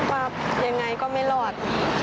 ว่ายังไงก็ไม่รอด